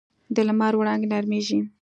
د لمر وړانګې نرمېږي